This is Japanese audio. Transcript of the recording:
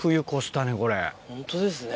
ホントですね。